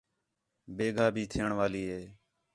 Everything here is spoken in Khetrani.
بیگھا بھی تھیݨ والی ہِے